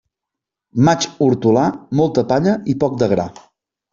Maig hortolà, molta palla i poc de gra.